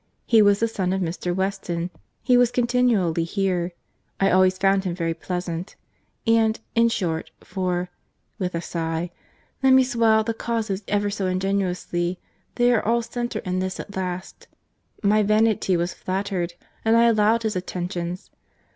He was the son of Mr. Weston—he was continually here—I always found him very pleasant—and, in short, for (with a sigh) let me swell out the causes ever so ingeniously, they all centre in this at last—my vanity was flattered, and I allowed his attentions.